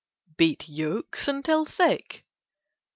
Beat yolks until thick.